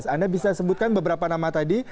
anda bisa sebutkan beberapa nama tadi